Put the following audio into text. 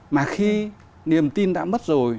mà khi niềm tin đã mất rồi